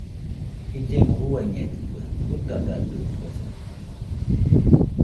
Illemo uiañedɨkue, jutadatɨkuesa.